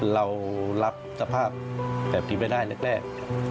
เรารับสภาพแบบนี้ไม่ได้แรก